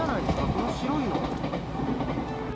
この白いの。